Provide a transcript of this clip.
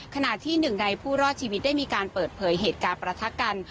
ขณะที่หนึ่งในผู้รอดชีวิตได้มีการเปิดเผยเหตุการณ์ประทักกัน